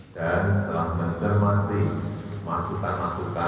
dan setelah mencermati masukan masukan